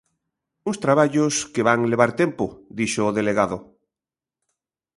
Uns traballos que van levar tempo, dixo o delegado.